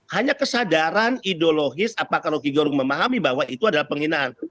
hanya kesadaran ideologis apakah rocky gerung memahami bahwa itu adalah penghinaan